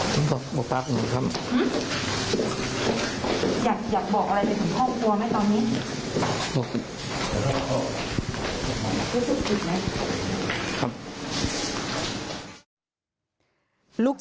อยากบอกอะไรไปถึงครอบครัวให้พี่สำรวจ